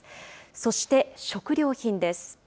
そして食料品です。